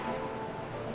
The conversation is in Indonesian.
gue akan menikahi riri